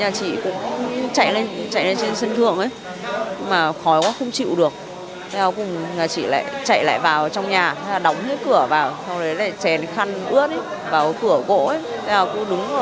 xe chữa cháy maker infrast rasp năm gym dogs bắn xe ch fountain